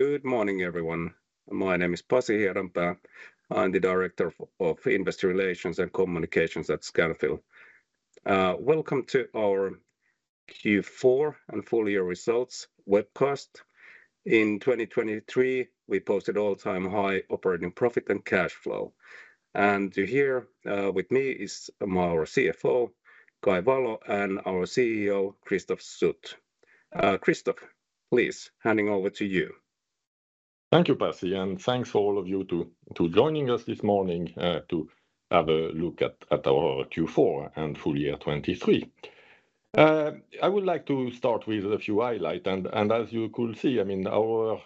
Good morning, everyone. My name is Pasi Hiedanpää. I'm the Director of Investor Relations and Communications at Scanfil. Welcome to our Q4 and Full Year Results webcast. In 2023, we posted all-time high operating profit and cash flow. Here with me is our CFO, Kai Valo, and our CEO, Christophe Sut. Christophe, please, handing over to you. Thank you, Pasi, and thanks for all of you joining us this morning to have a look at our Q4 and full year 2023. I would like to start with a few highlights. As you could see, I mean, our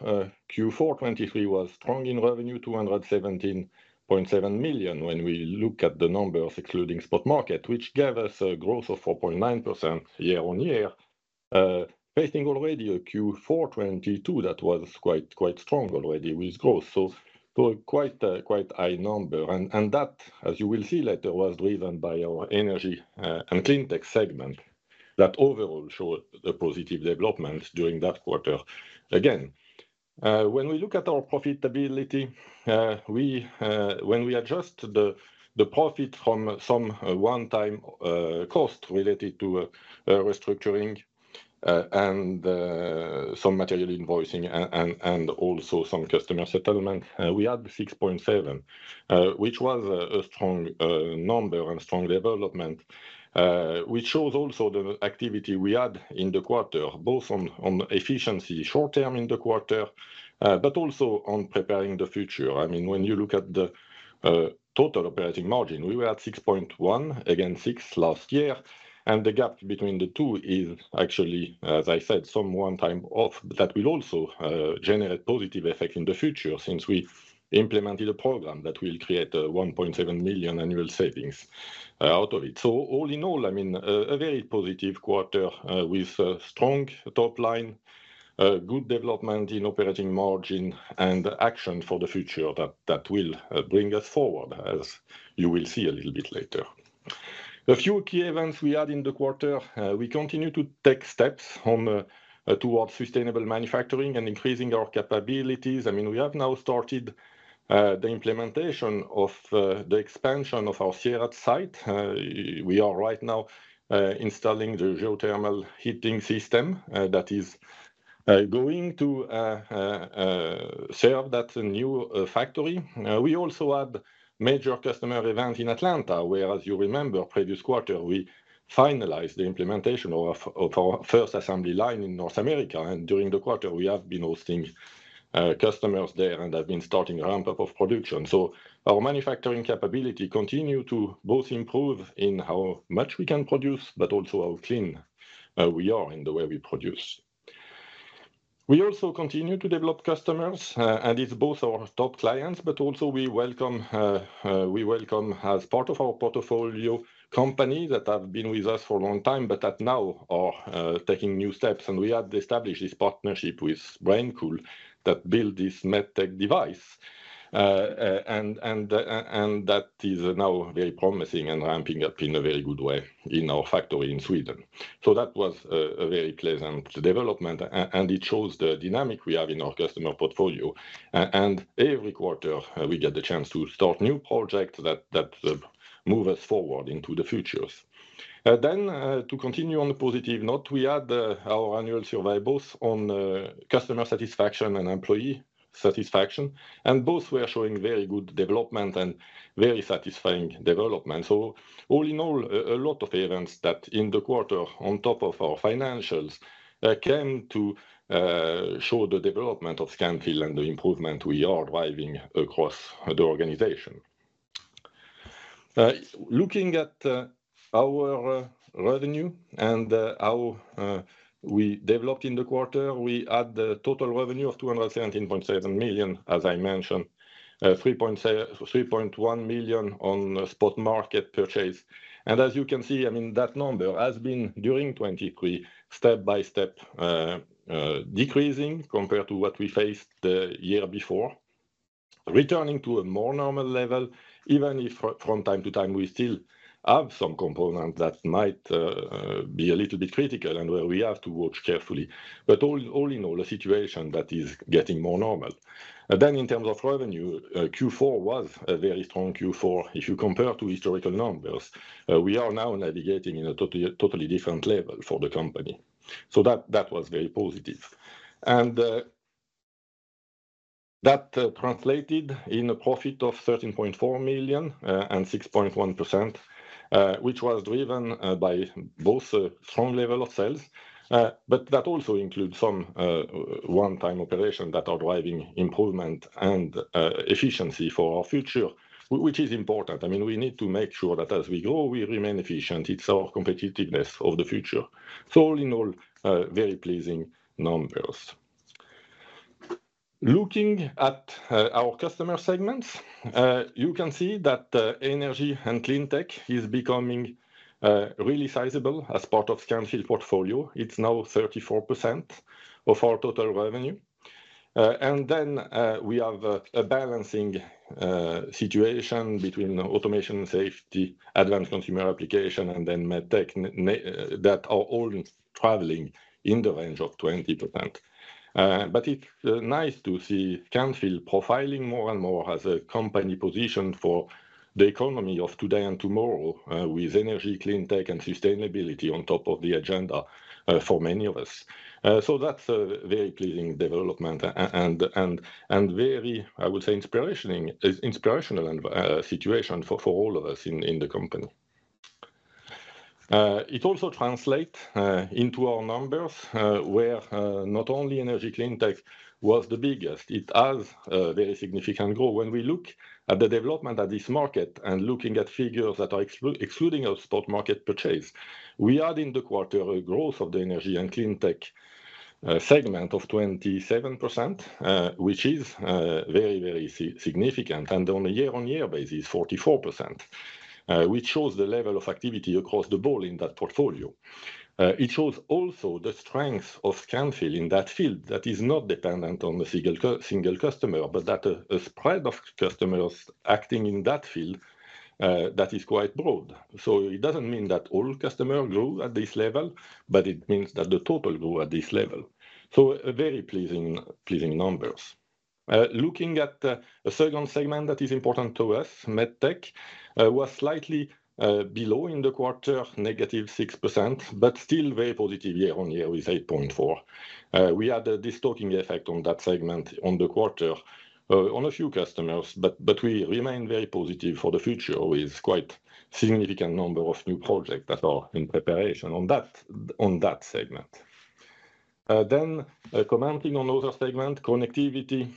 Q4 2023 was strong in revenue, 217.7 million, when we look at the numbers excluding spot market, which gave us a growth of 4.9% year-on-year, facing already a Q4 2022 that was quite strong already with growth. Quite a high number. And that, as you will see later, was driven by our Energy & Cleantech segment that overall showed a positive development during that quarter again. When we look at our profitability, when we adjust the profit from some one-time cost related to restructuring and some material invoicing and also some customer settlement, we had 6.7%, which was a strong number and strong development, which shows also the activity we had in the quarter, both on efficiency short-term in the quarter, but also on preparing the future. I mean, when you look at the total operating margin, we were at 6.1%, again 6% last year. And the gap between the two is actually, as I said, some one-time off that will also generate positive effects in the future since we implemented a program that will create 1.7 million annual savings out of it. So all in all, I mean, a very positive quarter with strong topline, good development in operating margin, and action for the future that will bring us forward, as you will see a little bit later. A few key events we had in the quarter. We continue to take steps towards sustainable manufacturing and increasing our capabilities. I mean, we have now started the implementation of the expansion of our Sieradz site. We are right now installing the geothermal heating system that is going to serve that new factory. We also had major customer events in Atlanta, where, as you remember, previous quarter, we finalized the implementation of our first assembly line in North America. And during the quarter, we have been hosting customers there and have been starting ramp-up of production. So our manufacturing capability continues to both improve in how much we can produce, but also how clean we are in the way we produce. We also continue to develop customers. And it's both our top clients, but also we welcome as part of our portfolio companies that have been with us for a long time, but that now are taking new steps. And we had established this partnership with BrainCool that built this MedTech device. And that is now very promising and ramping up in a very good way in our factory in Sweden. So that was a very pleasant development. And it shows the dynamic we have in our customer portfolio. And every quarter, we get the chance to start new projects that move us forward into the futures. Then, to continue on the positive note, we had our annual survey both on customer satisfaction and employee satisfaction. Both were showing very good development and very satisfying development. So all in all, a lot of events that in the quarter, on top of our financials, came to show the development of Scanfil and the improvement we are driving across the organization. Looking at our revenue and how we developed in the quarter, we had the total revenue of 217.7 million, as I mentioned, 3.1 million on spot market purchase. And as you can see, I mean, that number has been during 2023 step by step decreasing compared to what we faced the year before, returning to a more normal level, even if from time to time we still have some components that might be a little bit critical and where we have to watch carefully. All in all, a situation that is getting more normal. In terms of revenue, Q4 was a very strong Q4. If you compare to historical numbers, we are now navigating in a totally different level for the company. So that was very positive. And that translated in a profit of 13.4 million and 6.1%, which was driven by both a strong level of sales, but that also includes some one-time operations that are driving improvement and efficiency for our future, which is important. I mean, we need to make sure that as we grow, we remain efficient. It's our competitiveness of the future. So all in all, very pleasing numbers. Looking at our customer segments, you can see that Energy & Cleantech is becoming really sizable as part of Scanfil's portfolio. It's now 34% of our total revenue. And then we have a balancing situation between Automation, Safety, Advanced Consumer Application, and then MedTech that are all traveling in the range of 20%. But it's nice to see Scanfil profiling more and more as a company position for the economy of today and tomorrow with energy, cleantech, and sustainability on top of the agenda for many of us. So that's a very pleasing development and very, I would say, inspirational situation for all of us in the company. It also translates into our numbers where not only Energy & Cleantech was the biggest, it has a very significant growth. When we look at the development at this market and looking at figures that are excluding our spot market purchase, we had in the quarter a growth of the Energy & Cleantech segment of 27%, which is very, very significant. And on a year-on-year basis, 44%, which shows the level of activity across the board in that portfolio. It shows also the strength of Scanfil in that field that is not dependent on a single customer, but that a spread of customers acting in that field that is quite broad. So it doesn't mean that all customers grew at this level, but it means that the total grew at this level. So very pleasing numbers. Looking at a second segment that is important to us, MedTech was slightly below in the quarter, -6%, but still very positive year-on-year with 8.4%. We had a de-stocking effect on that segment on the quarter on a few customers. But we remain very positive for the future with quite a significant number of new projects that are in preparation on that segment. Then, commenting on other segments, Connectivity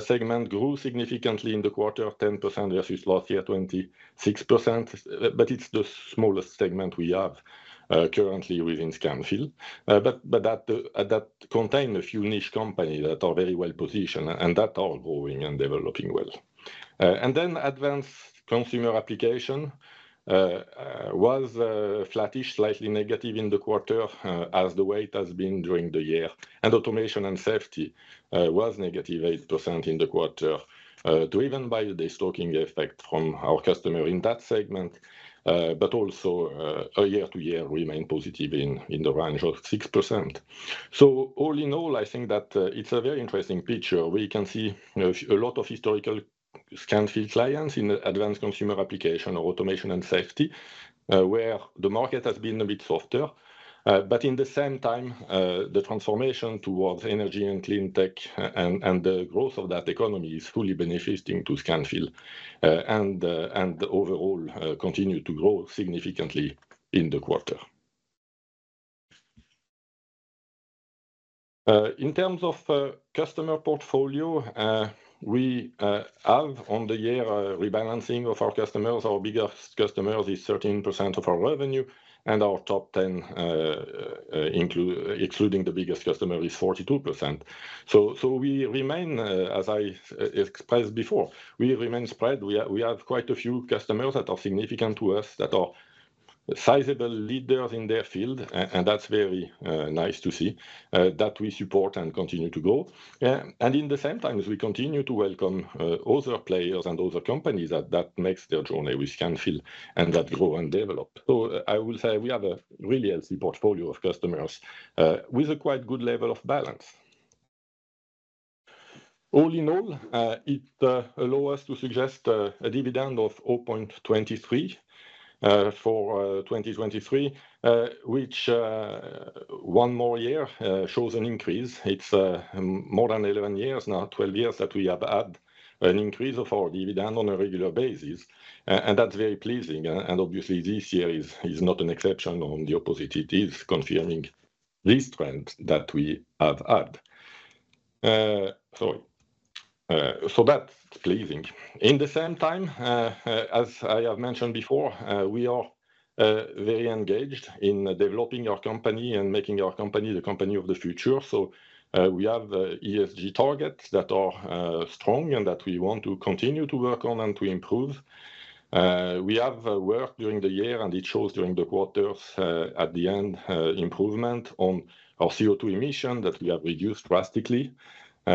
segment grew significantly in the quarter, 10% versus last year, 26%. But it's the smallest segment we have currently within Scanfil. But that contains a few niche companies that are very well positioned, and that are growing and developing well. Then Advanced Consumer Application was flattish, slightly negative in the quarter as the weight has been during the year. Automation and Safety was -8% in the quarter driven by the de-stocking effect from our customer in that segment. But also, year-to-year, we remain positive in the range of 6%. So all in all, I think that it's a very interesting picture. We can see a lot of historical Scanfil clients in Advanced Consumer Application or Automation and Safety, where the market has been a bit softer. But in the same time, the transformation towards Energy & Cleantech and the growth of that economy is fully benefiting to Scanfil and overall continue to grow significantly in the quarter. In terms of customer portfolio, we have, on the year, rebalancing of our customers. Our biggest customers is 13% of our revenue. Our top 10, excluding the biggest customer, is 42%. We remain, as I expressed before, we remain spread. We have quite a few customers that are significant to us, that are sizable leaders in their field. That's very nice to see that we support and continue to grow. In the same time, as we continue to welcome other players and other companies, that makes their journey with Scanfil and that grow and develop. I will say we have a really healthy portfolio of customers with a quite good level of balance. All in all, it allows us to suggest a dividend of 0.23 for 2023, which, one more year, shows an increase. It's more than 11 years now, 12 years, that we have had an increase of our dividend on a regular basis. That's very pleasing. Obviously, this year is not an exception on the opposite. It is confirming this trend that we have had. Sorry. That's pleasing. At the same time, as I have mentioned before, we are very engaged in developing our company and making our company the company of the future. So we have ESG targets that are strong and that we want to continue to work on and to improve. We have worked during the year, and it shows during the quarters at the end, improvement on our CO2 emission that we have reduced drastically.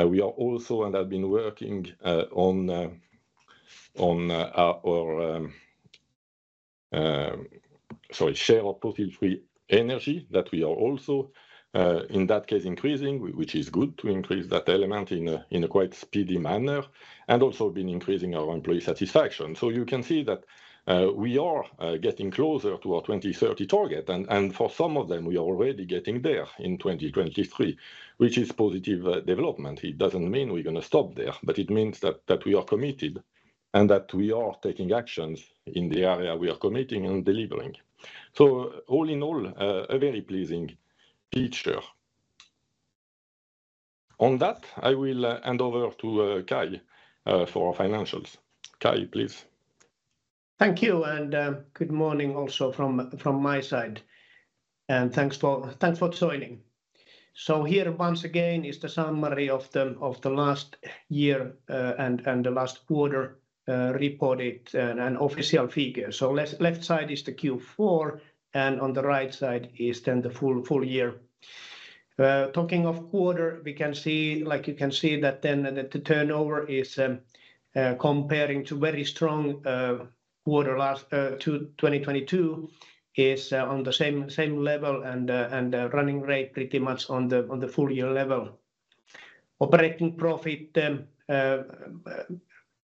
We are also and have been working on our share of fossil-free energy that we are also, in that case, increasing, which is good to increase that element in a quite speedy manner, and also been increasing our employee satisfaction. So you can see that we are getting closer to our 2030 target. And for some of them, we are already getting there in 2023, which is positive development. It doesn't mean we're going to stop there. But it means that we are committed and that we are taking actions in the area we are committing and delivering. So all in all, a very pleasing picture. On that, I will hand over to Kai for our financials. Kai, please. Thank you. And good morning also from my side. And thanks for joining. So here, once again, is the summary of the last year and the last quarter reported and official figures. So left side is the Q4. And on the right side is then the full year. Talking of quarter, we can see, like you can see, that then the turnover is comparing to very strong quarter last 2022 is on the same level and running rate pretty much on the full year level. Operating profit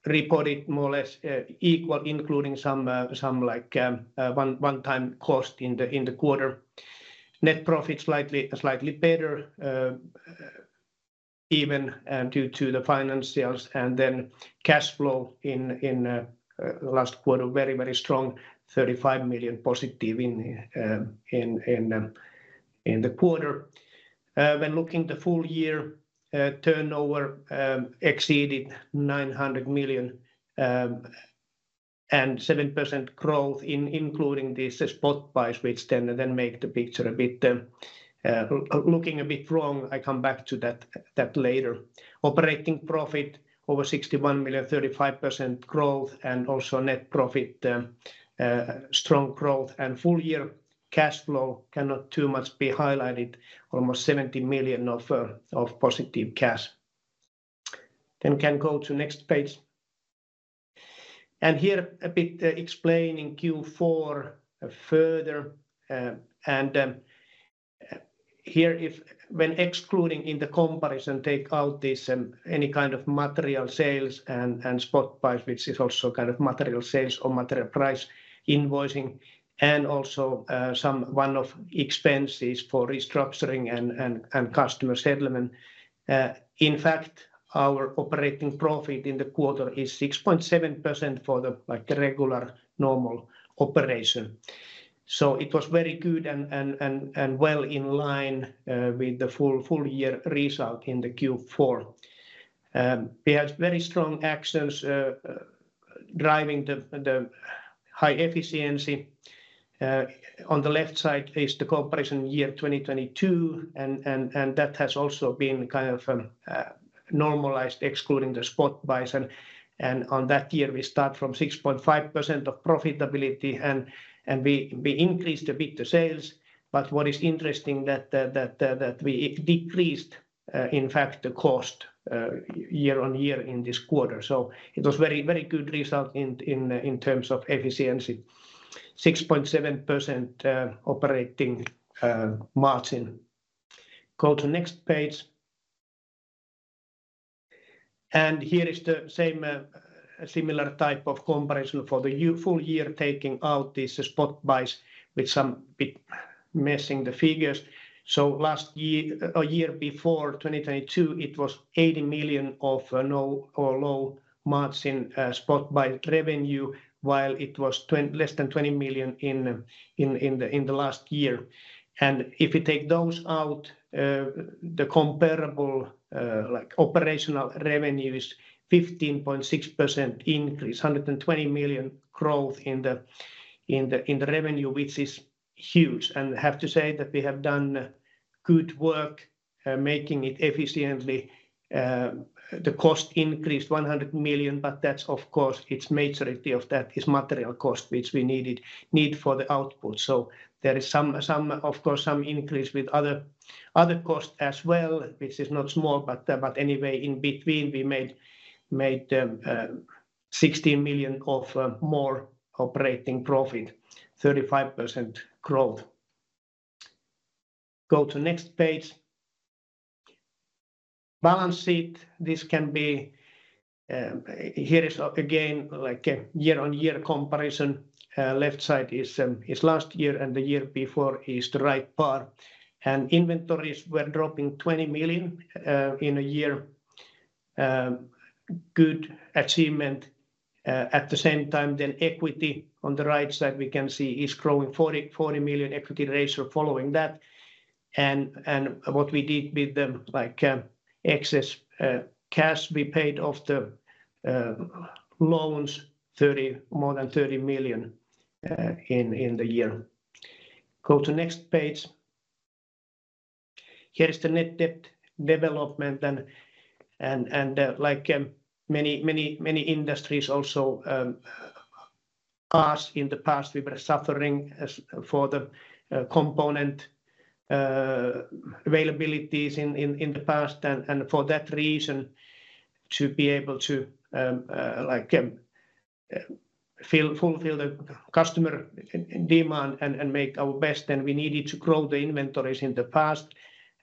reported more or less equal, including some one-time cost in the quarter. Net profit slightly better, even due to the financials. And then cash flow in the last quarter, very, very strong, 35 million positive in the quarter. When looking at the full year, turnover exceeded EUR 900 million and 7% growth, including this spot price, which then makes the picture a bit looking a bit wrong. I come back to that later. Operating profit over 61 million, 35% growth, and also net profit, strong growth and full year. Cash flow cannot too much be highlighted, almost 70 million of positive cash. Then can go to next page. And here a bit explaining Q4 further. And here, when excluding in the comparison, take out any kind of material sales and spot price, which is also kind of material sales or material price invoicing, and also some one-off expenses for restructuring and customer settlement. In fact, our operating profit in the quarter is 6.7% for the regular normal operation. So it was very good and well in line with the full year result in the Q4. We had very strong actions driving the high efficiency. On the left side is the comparison year 2022. And that has also been kind of normalized, excluding the spot price. On that year, we start from 6.5% of profitability. We increased a bit the sales. But what is interesting is that we decreased, in fact, the cost year on year in this quarter. So it was a very good result in terms of efficiency, 6.7% operating margin. Go to next page. Here is the same similar type of comparison for the full year, taking out these spot prices with some bit messing the figures. So last year or year before 2022, it was 80 million of no or low margin spot price revenue, while it was less than 20 million in the last year. And if you take those out, the comparable operational revenue is 15.6% increase, 120 million growth in the revenue, which is huge. And I have to say that we have done good work making it efficiently. The cost increased 100 million. But that's, of course, its majority of that is material cost, which we needed for the output. So there is, of course, some increase with other costs as well, which is not small. But anyway, in between, we made 16 million of more operating profit, 35% growth. Go to next page. Balance sheet, this can be here is, again, a year-on-year comparison. Left side is last year, and the year before is the right part. And inventories were dropping 20 million in a year, good achievement. At the same time, then equity on the right side, we can see, is growing, 40 million equity ratio following that. And what we did with the excess cash we paid off the loans, more than 30 million in the year. Go to next page. Here is the net debt development. Like many, many industries also asked in the past, we were suffering from the component availability in the past. For that reason, to be able to fulfill the customer demand and make our best, we needed to grow the inventories in the past.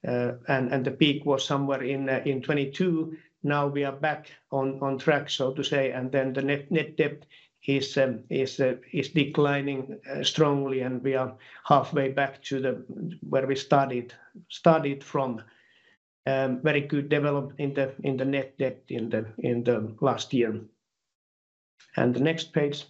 The peak was somewhere in 2022. Now we are back on track, so to say. Then the net debt is declining strongly. We are halfway back to where we started from, very good development in the net debt in the last year. Next page.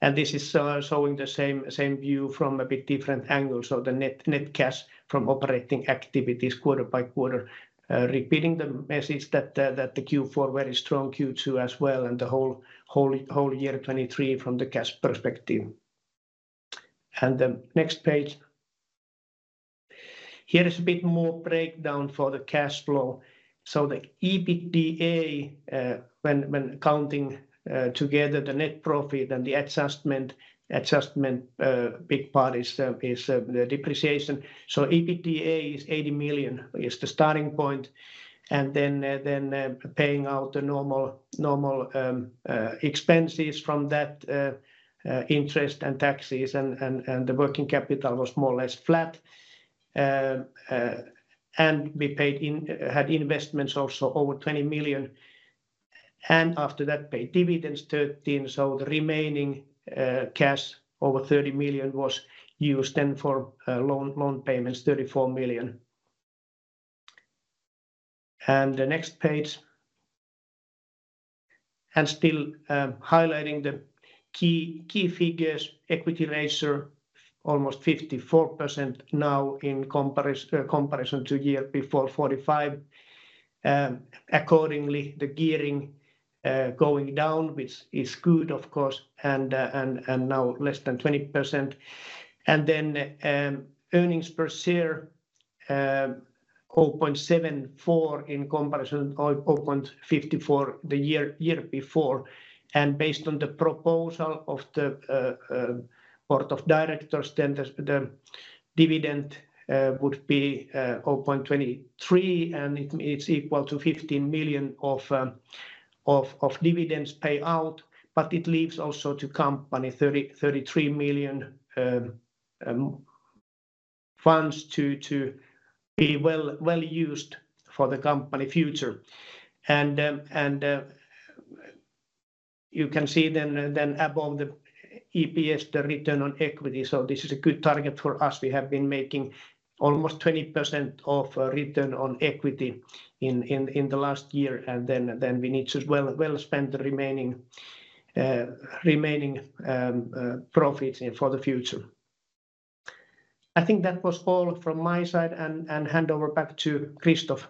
This is showing the same view from a bit different angle. So the net cash from operating activities quarter by quarter, repeating the message that the Q4, very strong, Q2 as well, and the whole year 2023 from the cash perspective. Next page. Here is a bit more breakdown for the cash flow. So the EBITDA, when counting together the net profit and the adjustment, big part is the depreciation. So EBITDA is 80 million is the starting point. And then paying out the normal expenses from that, interest and taxes. And the working capital was more or less flat. And we had investments also over 20 million. And after that, paid dividends, 13 million. So the remaining cash, over 30 million, was used then for loan payments, 34 million. And the next page. And still highlighting the key figures, equity ratio, almost 54% now in comparison to the year before, 45%. Accordingly, the gearing going down is good, of course, and now less than 20%. And then earnings per share, 0.74 in comparison to 0.54 the year before. Based on the proposal of the board of directors, the dividend would be 0.23. It's equal to 15 million of dividends paid out. But it leaves also to the company, 33 million funds to be well used for the company future. You can see then above the EPS, the return on equity. So this is a good target for us. We have been making almost 20% of return on equity in the last year. Then we need to well spend the remaining profits for the future. I think that was all from my side. Hand over back to Christophe. Sorry. Thanks, Pasi.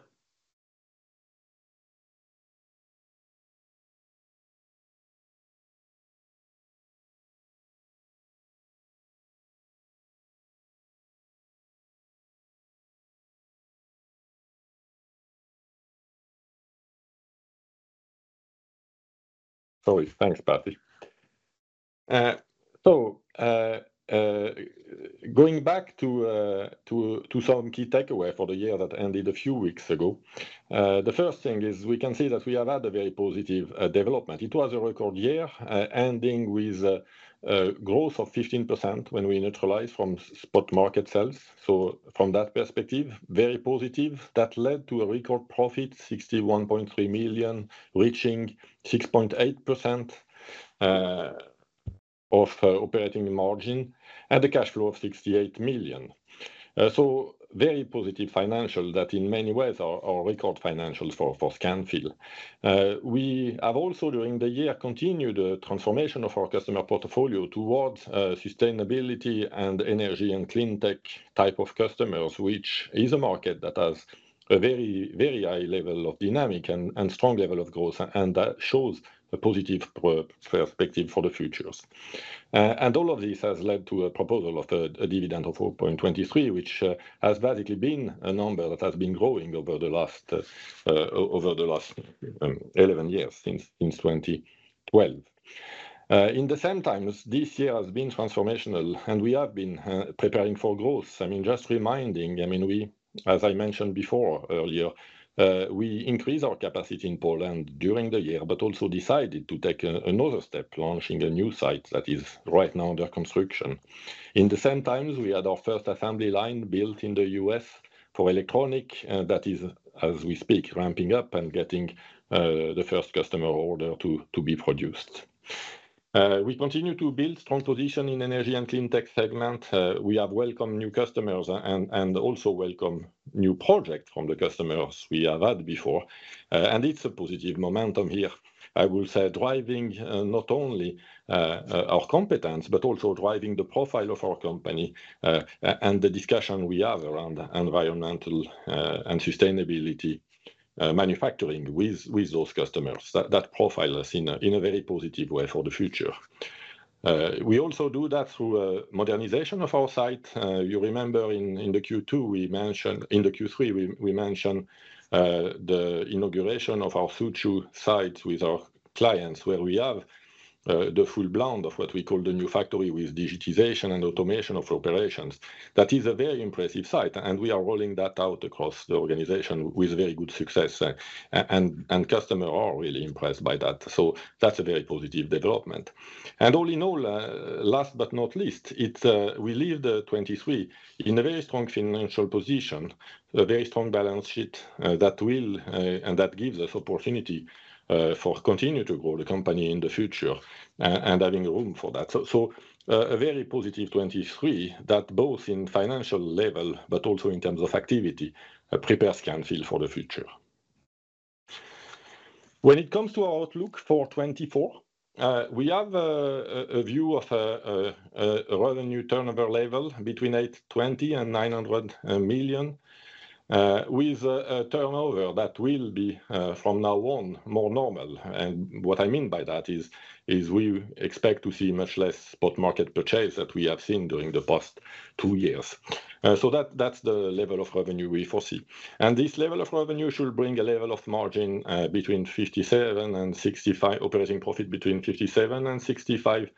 So going back to some key takeaways for the year that ended a few weeks ago, the first thing is we can see that we have had a very positive development. It was a record year, ending with a growth of 15% when we neutralized from spot market sales. So from that perspective, very positive. That led to a record profit, 61.3 million, reaching 6.8% of operating margin and a cash flow of 68 million. So very positive financials that, in many ways, are record financials for Scanfil. We have also, during the year, continued the transformation of our customer portfolio towards sustainability and energy and clean tech type of customers, which is a market that has a very, very high level of dynamic and strong level of growth. And that shows a positive perspective for the futures. And all of this has led to a proposal of a dividend of 0.23, which has basically been a number that has been growing over the last 11 years, since 2012. In the same times, this year has been transformational. We have been preparing for growth. I mean, just reminding, I mean, as I mentioned before, earlier, we increased our capacity in Poland during the year, but also decided to take another step, launching a new site that is right now under construction. At the same time, we had our first assembly line built in the U.S. for electronics that is, as we speak, ramping up and getting the first customer order to be produced. We continue to build strong position in the Energy & Cleantech segment. We have welcomed new customers and also welcomed new projects from the customers we have had before. It's a positive momentum here, I will say, driving not only our competence, but also driving the profile of our company and the discussion we have around environmental and sustainability manufacturing with those customers. That profiles us in a very positive way for the future. We also do that through a modernization of our site. You remember, in the Q3, we mentioned the inauguration of our future site with our clients, where we have the full blend of what we call the new factory with digitization and automation of operations. That is a very impressive site. We are rolling that out across the organization with very good success. Customers are really impressed by that. That's a very positive development. All in all, last but not least, we leave 2023 in a very strong financial position, a very strong balance sheet that will and that gives us opportunity for to continue to grow the company in the future and having room for that. So a very positive 2023 that both in financial level, but also in terms of activity, prepares Scanfil for the future. When it comes to our outlook for 2024, we have a view of a revenue turnover level between 820 million and 900 million, with a turnover that will be, from now on, more normal. And what I mean by that is we expect to see much less spot market purchase that we have seen during the past two years. So that's the level of revenue we foresee. And this level of revenue should bring a level of margin between 57 and 65, operating profit between 57 million and 65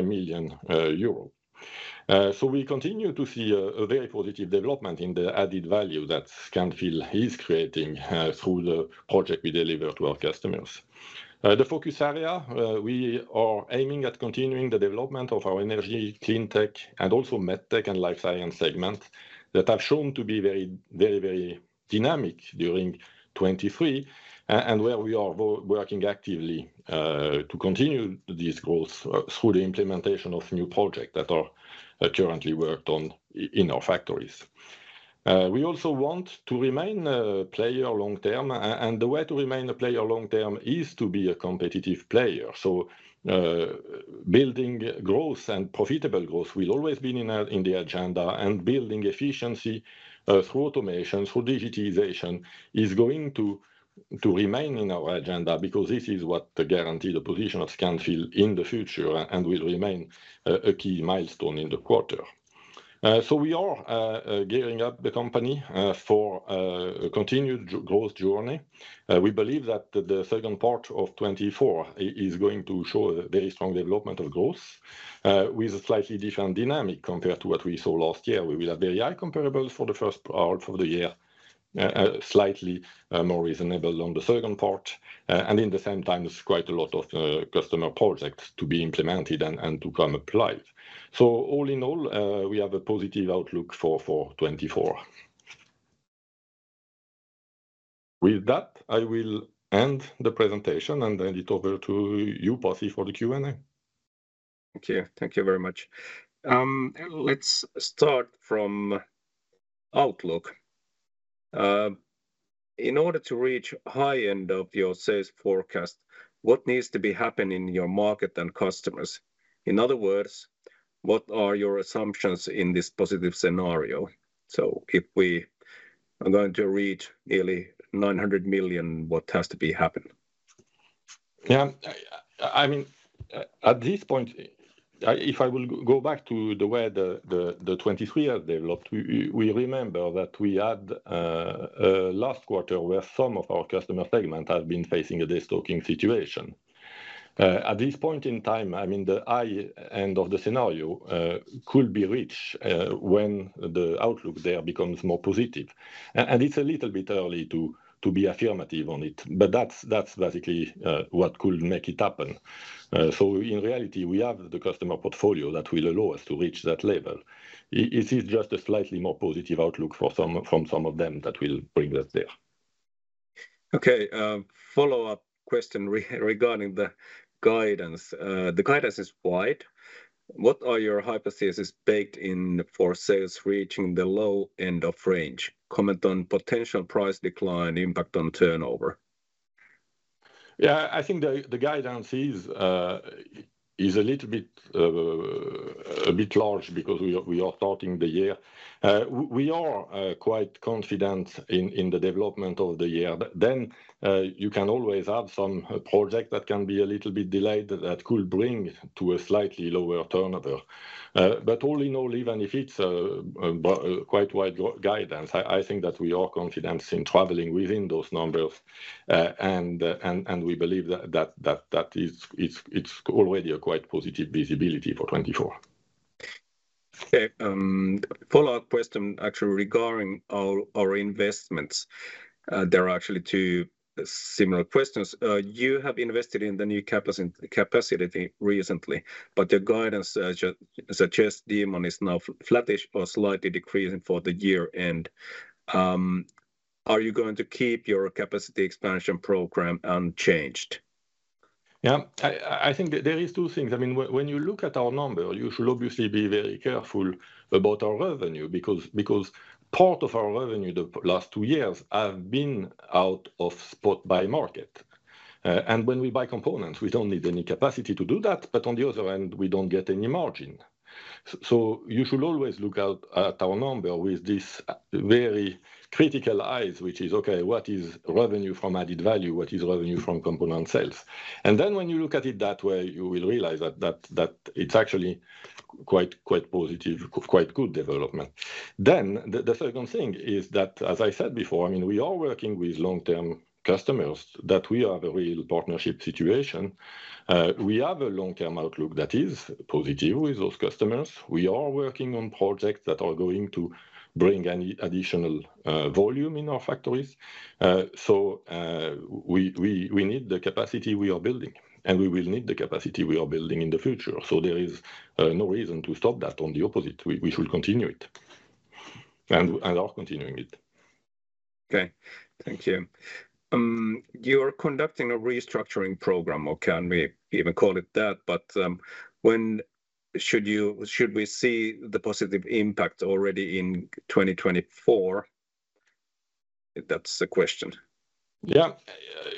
million euro. So we continue to see a very positive development in the added value that Scanfil is creating through the project we deliver to our customers. The focus area, we are aiming at continuing the development of our Energy & Cleantech, and also MedTech and Life Science segments that have shown to be very, very dynamic during 2023, and where we are working actively to continue these growths through the implementation of new projects that are currently worked on in our factories. We also want to remain a player long term. The way to remain a player long term is to be a competitive player. Building growth and profitable growth will always be in the agenda. Building efficiency through automation, through digitization, is going to remain in our agenda because this is what guarantees the position of Scanfil in the future and will remain a key milestone in the quarter. We are gearing up the company for a continued growth journey. We believe that the second part of 2024 is going to show a very strong development of growth with a slightly different dynamic compared to what we saw last year. We will have very high comparables for the first part of the year, slightly more reasonable on the second part, and in the same time, quite a lot of customer projects to be implemented and to come alive. So all in all, we have a positive outlook for 2024. With that, I will end the presentation and hand it over to you, Pasi, for the Q&A. Thank you. Thank you very much. Let's start from outlook. In order to reach high end of your sales forecast, what needs to be happening in your market and customers? In other words, what are your assumptions in this positive scenario? If we are going to reach nearly 900 million, what has to be happening? Yeah. I mean, at this point, if I will go back to the way the 2023 has developed, we remember that we had a last quarter where some of our customer segment have been facing a de-stocking situation. At this point in time, I mean, the high end of the scenario could be reached when the outlook there becomes more positive. It's a little bit early to be affirmative on it. But that's basically what could make it happen. In reality, we have the customer portfolio that will allow us to reach that level. This is just a slightly more positive outlook from some of them that will bring us there. Okay. Follow-up question regarding the guidance. The guidance is wide. What are your hypotheses baked in for sales reaching the low end of range? Comment on potential price decline, impact on turnover. Yeah. I think the guidance is a little bit large because we are starting the year. We are quite confident in the development of the year. Then you can always have some project that can be a little bit delayed that could bring to a slightly lower turnover. But all in all, even if it's quite wide guidance, I think that we are confident in traveling within those numbers. And we believe that that is already a quite positive visibility for 2024. Okay. Follow-up question, actually, regarding our investments. There are actually two similar questions. You have invested in the new capacity recently, but the guidance suggests demand is now flattish or slightly decreasing for the year-end. Are you going to keep your capacity expansion program unchanged? Yeah. I think there are two things. I mean, when you look at our number, you should obviously be very careful about our revenue because part of our revenue the last two years have been out of spot market. And when we buy components, we don't need any capacity to do that. But on the other hand, we don't get any margin. So you should always look at our number with these very critical eyes, which is, okay, what is revenue from added value? What is revenue from component sales? And then when you look at it that way, you will realize that it's actually quite positive, quite good development. Then the second thing is that, as I said before, I mean, we are working with long-term customers, that we have a real partnership situation. We have a long-term outlook that is positive with those customers. We are working on projects that are going to bring additional volume in our factories. We need the capacity we are building. We will need the capacity we are building in the future. There is no reason to stop that. On the opposite, we should continue it and are continuing it. Okay. Thank you. You are conducting a restructuring program, or can we even call it that? But should we see the positive impact already in 2024? That's the question. Yeah.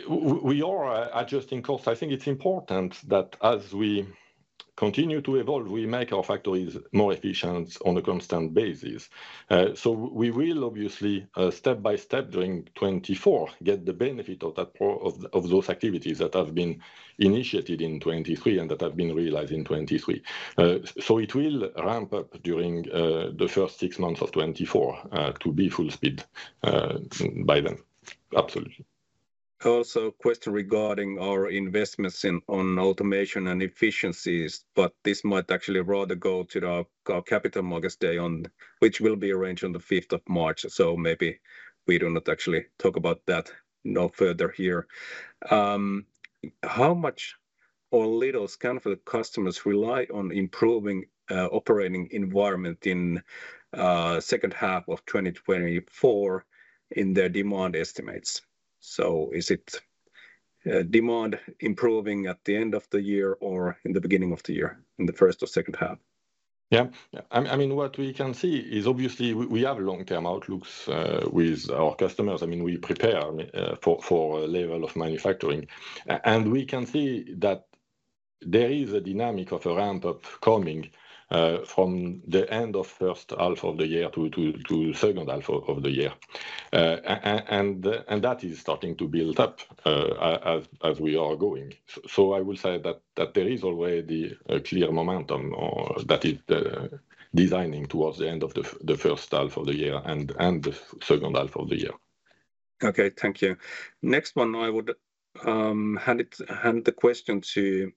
We are adjusting course. I think it's important that as we continue to evolve, we make our factories more efficient on a constant basis. We will obviously, step by step during 2024, get the benefit of those activities that have been initiated in 2023 and that have been realized in 2023. It will ramp up during the first six months of 2024 to be full speed by then. Absolutely. Also, question regarding our investments on automation and efficiencies. But this might actually rather go to our Capital Markets Day, which will be arranged on the 5th of March. So maybe we do not actually talk about that no further here. How much or little Scanfil customers rely on improving operating environment in the second half of 2024 in their demand estimates? So is it demand improving at the end of the year or in the beginning of the year, in the first or second half? Yeah. I mean, what we can see is, obviously, we have long-term outlooks with our customers. I mean, we prepare for a level of manufacturing. We can see that there is a dynamic of a ramp-up coming from the end of first half of the year to second half of the year. That is starting to build up as we are going. I will say that there is already a clear momentum that is designing towards the end of the first half of the year and the second half of the year. Okay. Thank you. Next one, I would hand the question to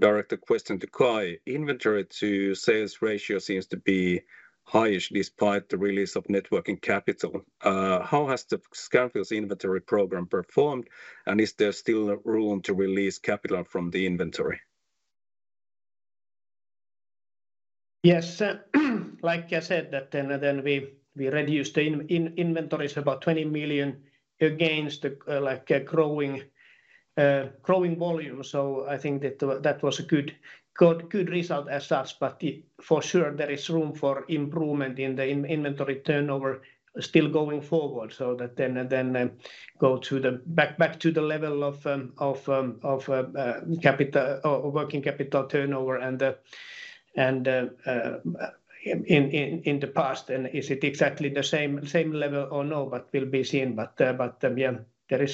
direct the question to Kai. Inventory to sales ratio seems to be highish despite the release of working capital. How has Scanfil's inventory program performed? And is there still room to release capital from the inventory? Yes. Like I said, then we reduced the inventories about 20 million against the growing volume. So I think that was a good result as such. But for sure, there is room for improvement in the inventory turnover still going forward so that then go back to the level of working capital turnover in the past. And is it exactly the same level or no? But will be seen. But yeah, there are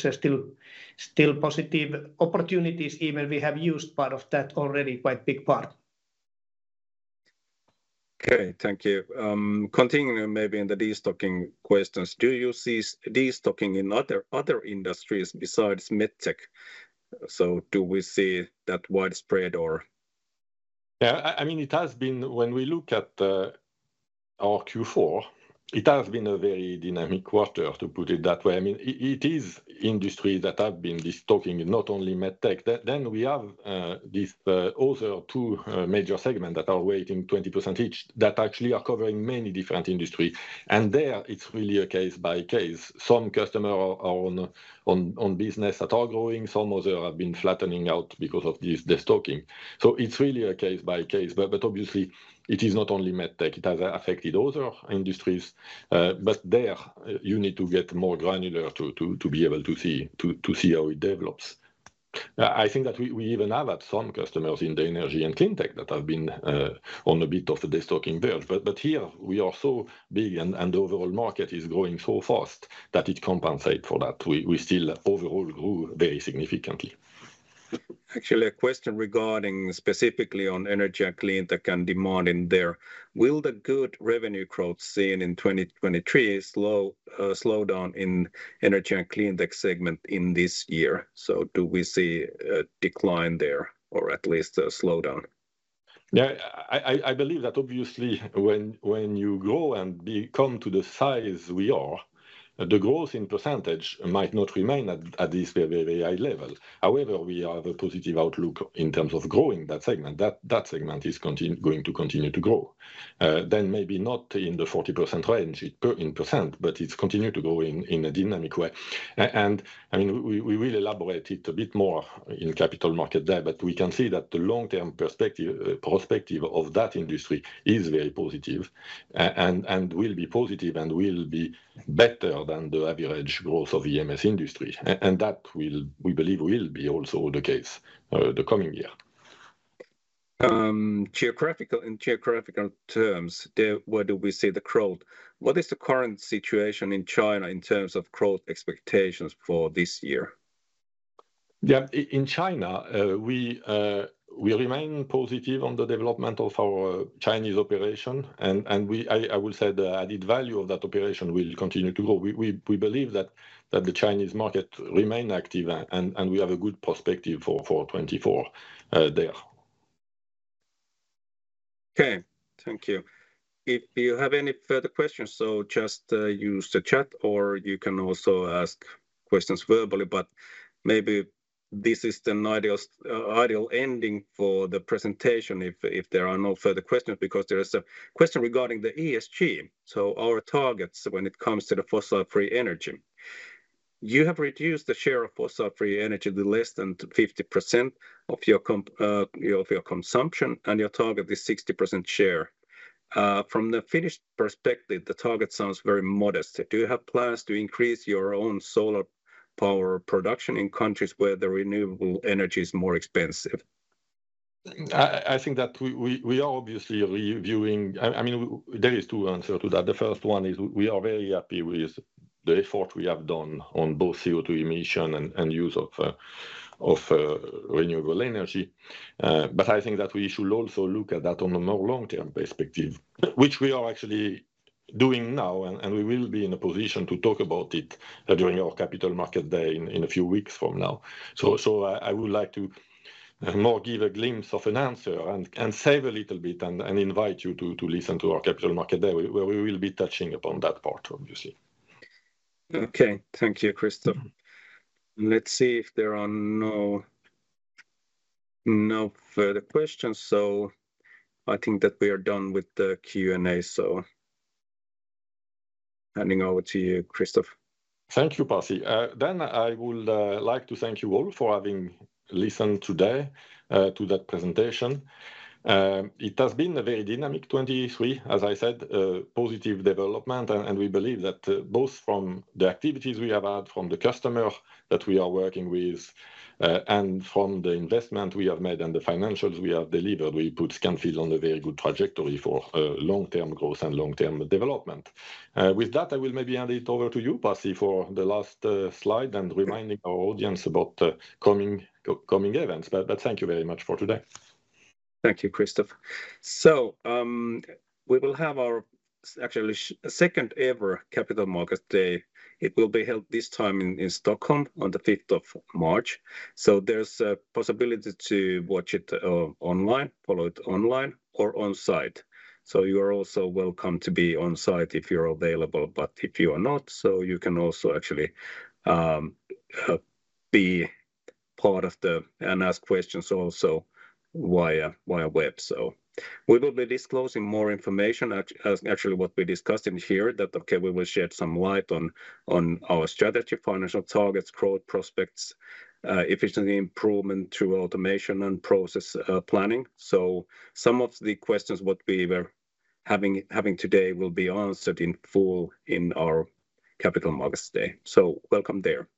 still positive opportunities. Even we have used part of that already, quite a big part. Okay. Thank you. Continuing maybe in the de-stocking questions, do you see de-stocking in other industries besides Medtech? So do we see that widespread or? Yeah. I mean, it has been when we look at our Q4, it has been a very dynamic quarter, to put it that way. I mean, it is industries that have been de-stocking, not only Medtech. Then we have these other two major segments that are weighting 20% each that actually are covering many different industries. And there, it's really a case by case. Some customers are on business that are growing. Some others have been flattening out because of this de-stocking. So it's really a case by case. But obviously, it is not only Medtech. It has affected other industries. But there, you need to get more granular to be able to see how it develops. I think that we even have had some customers in the Energy & Cleantech that have been on a bit of a de-stocking verge. Here, we are so big, and the overall market is growing so fast that it compensates for that. We still overall grew very significantly. Actually, a question regarding specifically on Energy & Cleantech and demand in there. Will the good revenue growth seen in 2023 slow down in Energy & Cleantech segment in this year? So do we see a decline there or at least a slowdown? Yeah. I believe that obviously, when you grow and become to the size we are, the growth in percentage might not remain at this very, very high level. However, we have a positive outlook in terms of growing that segment. That segment is going to continue to grow. Then maybe not in the 40% range in percent, but it's continued to grow in a dynamic way. And I mean, we will elaborate it a bit more in Capital Markets Day. But we can see that the long-term prospects of that industry is very positive and will be positive and will be better than the average growth of the EMS industry. And that, we believe, will be also the case the coming year. Geographical terms, where do we see the growth? What is the current situation in China in terms of growth expectations for this year? Yeah. In China, we remain positive on the development of our Chinese operation. I will say the added value of that operation will continue to grow. We believe that the Chinese market remains active, and we have good prospects for 2024 there. Okay. Thank you. If you have any further questions, so just use the chat, or you can also ask questions verbally. But maybe this is an ideal ending for the presentation if there are no further questions because there is a question regarding the ESG, so our targets when it comes to the fossil-free energy. You have reduced the share of fossil-free energy to less than 50% of your consumption, and your target is 60% share. From the Finnish perspective, the target sounds very modest. Do you have plans to increase your own solar power production in countries where the renewable energy is more expensive? I think that we are obviously reviewing. I mean, there is two answers to that. The first one is we are very happy with the effort we have done on both CO2 emission and use of renewable energy. But I think that we should also look at that on a more long-term perspective, which we are actually doing now. And we will be in a position to talk about it during our Capital Markets Day in a few weeks from now. So I would like to more give a glimpse of an answer and save a little bit and invite you to listen to our capital market day, where we will be touching upon that part, obviously. Okay. Thank you, Christophe. Let's see if there are no further questions. So I think that we are done with the Q&A. So handing over to you, Christophe. Thank you, Pasi. Then I would like to thank you all for having listened today to that presentation. It has been a very dynamic 2023, as I said, positive development. And we believe that both from the activities we have had, from the customers that we are working with, and from the investment we have made and the financials we have delivered, we put Scanfil on a very good trajectory for long-term growth and long-term development. With that, I will maybe hand it over to you, Pasi, for the last slide and reminding our audience about coming events. But thank you very much for today. Thank you, Christophe. So we will have our actually second-ever Capital Markets Day. It will be held this time in Stockholm on the 5th of March. So there's a possibility to watch it online, follow it online, or on-site. So you are also welcome to be on-site if you're available. But if you are not, so you can also actually be part of the and ask questions also via web. So we will be disclosing more information, actually what we discussed in here, that, okay, we will shed some light on our strategy, financial targets, growth prospects, efficiency improvement through automation and process planning. So some of the questions what we were having today will be answered in full in our Capital Markets Day. So welcome there.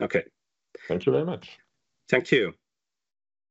Okay. Thank you very much. Thank you.